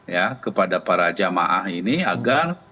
ya kepada para jamaah ini agar